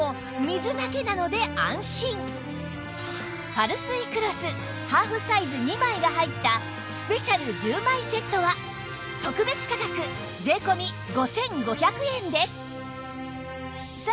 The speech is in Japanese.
パルスイクロスハーフサイズ２枚が入ったスペシャル１０枚セットは特別価格税込５５００円です